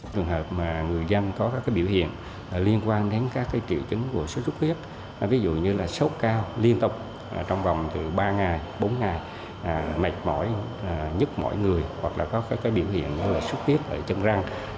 trường hợp mà người dân có các biểu hiện liên quan đến các triệu chứng của sốt xuất huyết ví dụ như là sốt cao liên tục trong vòng từ ba ngày bốn ngày mệt mỏi nhức mỗi người hoặc là có biểu hiện sốt huyết ở chân răng